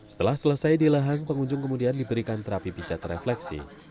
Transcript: setelah selesai di lehang pengunjung kemudian diberikan terapi pijat refleksi